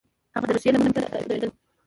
هغه د روسیې لمنې ته لوېدلي وه.